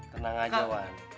tenang aja bang